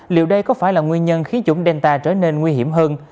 liệu đây có phải là nguyên nhân khiến chủng delta trở nên nguy hiểm hơn